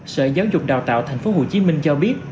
sở giáo dục đào tạo tp hcm cho biết